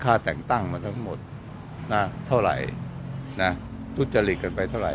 ค่าแต่งตั้งมาทั้งหมดเท่าไหร่ทุจจริตกันไปเท่าไหร่